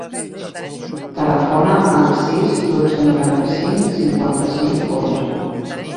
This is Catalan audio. Telefona al sis, dotze, noranta-cinc, cinquanta-cinc, onze.